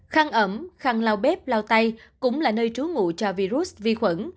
khăn ẩm khăn lau bếp lau tay cũng là nơi trú ngủ cho virus vi khuẩn